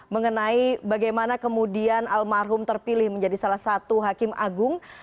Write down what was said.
mengenai bagaimana kemudian almarhum terpilih menjadi salah satu hakim agung